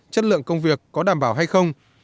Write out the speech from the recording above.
chất lượng công việc có đảm bảo hay không